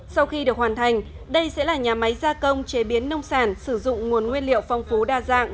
sau khi được hoàn thành đây sẽ là nhà máy gia công chế biến nông sản sử dụng nguồn nguyên liệu phong phú đa dạng